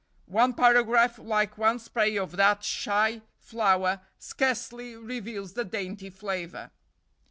One paragraph, like one spray of that shy flower, scarcely reveals the dainty flavor.